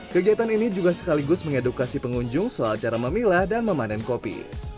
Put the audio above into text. kegiatan ini juga sekaligus mengedukasi pengunjung soal cara memilah dan memanen kopi